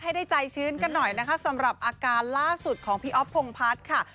ให้ได้ใจชื้นกันหน่อยนะคะสำหรับอาการล่าสุดของพี่อ๊อฟพงพัฒน์ค่ะ